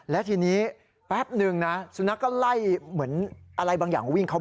และทีนี้แป๊บหนึ่งนะสุนัขก็ไล่เหมือนอะไรบางอย่าง